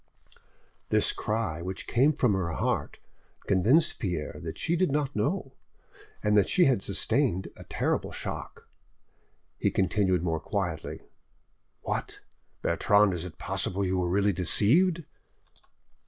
This cry, which came from her heart, convinced Pierre that she did not know, and that she had sustained a terrible shock. He continued more quietly— "What, Bertrande, is it possible you were really deceived?"